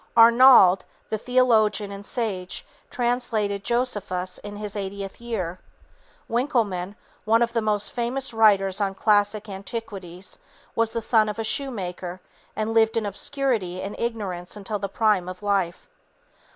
Arnauld, the theologian and sage, translated Josephus in his eightieth year. Winckelmann, one of the most famous writers on classic antiquities, was the son of a shoemaker, and lived in obscurity and ignorance until the prime of life.